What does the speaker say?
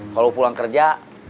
kalo pulang kerja